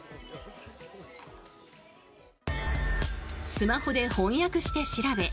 スマホで翻訳して調べ